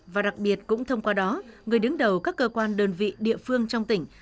và đặc biệt cũng thông qua đó người đứng đầu các cơ quan đơn vị địa phương trong tỉnh